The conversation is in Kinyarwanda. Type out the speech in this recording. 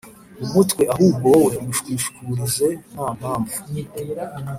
umutwe ahubwo wowe mushwishurize ntampamvu